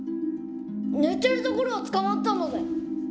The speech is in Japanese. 寝ているところを捕まったので。